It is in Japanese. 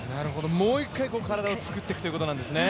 もう一回体を作っていくということなんですね。